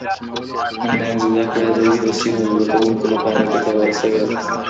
انلاين زده کړه د لېرې سيمو زده کوونکو لپاره ګټوره سوي ده.